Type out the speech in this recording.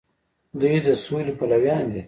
دوی د سولې پلویان دي.